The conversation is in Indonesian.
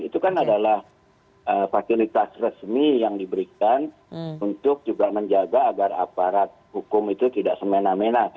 itu kan adalah fasilitas resmi yang diberikan untuk juga menjaga agar aparat hukum itu tidak semena mena